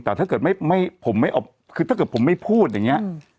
แต่ถ้าเกิดผมไม่พูดอย่างนี้